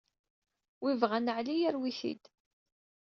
Win ibɣan Aɛli, yarew-it-id!